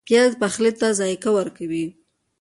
پیاز پخلی ته ذایقه ورکوي